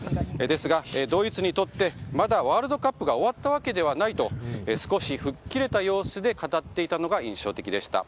ですが、ドイツにとってまだワールドカップが終わったわけではないと少し吹っ切れた様子で語っていたのが印象的でした。